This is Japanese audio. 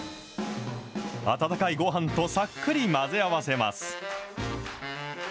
温かいご飯とさっくり混ぜ合わせます。